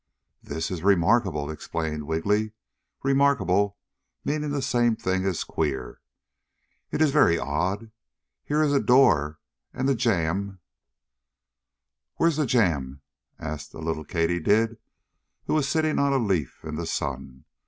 "This is remarkable!" exclaimed Wiggily, "remarkable" meaning the same thing as queer. "It is very odd! Here is a door and the jamb " "Where's the jamb?" asked a little katydid, who was sitting on a leaf in the sun.